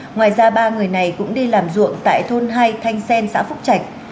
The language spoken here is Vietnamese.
ngoài ra ba người này cũng đi làm ruộng tại thôn hai thanh sen xã phúc trạch